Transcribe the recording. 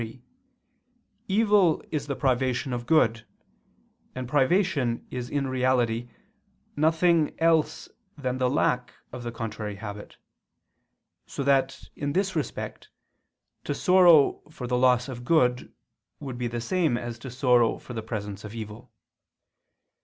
3), evil is the privation of good: and privation is in reality nothing else than the lack of the contrary habit; so that, in this respect, to sorrow for the loss of good, would be the same as to sorrow for the presence of evil.